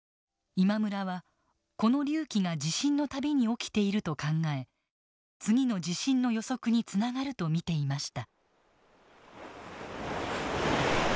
今村はこの隆起が地震の度に起きていると考え次の地震の予測につながると見ていました。